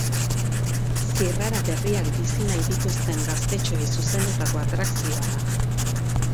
Zirrara berriak bizi nahi dituzten gaztetxoei zuzendutako atrakzioa da.